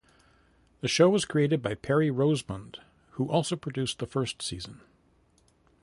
The show was created by Perry Rosemond, who also produced the first season.